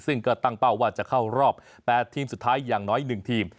ซึ่งก็ตั้งเป้าว่าจะเข้ารอบ๘ทีมสุดท้ายอย่างน้อย๑ทีม